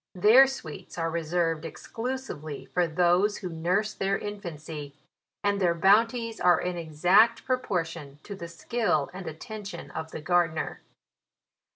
Their sweets are re served exclusively for those who nurse their infancy ; and their bounties are in exact pro portion to the skill and attention of the gar dener.